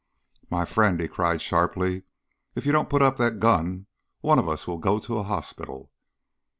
"My friend," he cried, sharply, "if you don't put up that gun, one of us will go to a hospital."